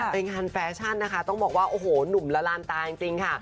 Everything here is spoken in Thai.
เป็นงานแฟชั่นนะคะต้องบอกว่าโอ้โหหนุ่มละลานตาจริงค่ะ